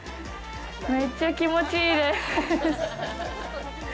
めっちゃ気持ちいいです。